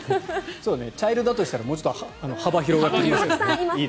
茶色だとしたらもうちょっと幅が広がりますね。